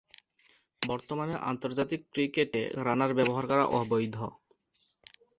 বর্তমানে আন্তর্জাতিক ক্রিকেটে রানার ব্যবহার করা অবৈধ।